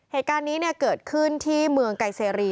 เหตุการณ์นี้เกิดขึ้นที่เมืองไกเซรี